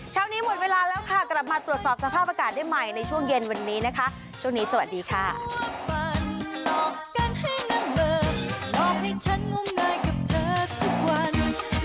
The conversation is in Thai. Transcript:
เช้านี้หมดเวลาแล้วค่ะกลับมาตรวจสอบสภาพประกาศได้ใหม่